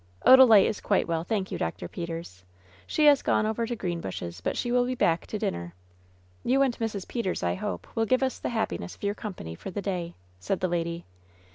"Odalite is quite well, thank you, Dr. Peters. She has gone over to Greenbushes, but she will be back to dinner. You and Mrs. Peters, I hope, will give us the happiness of your company for the day," said the lady.